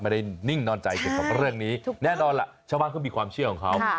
นิ่งนอนใจเกี่ยวกับเรื่องนี้แน่นอนล่ะชาวบ้านเขามีความเชื่อของเขา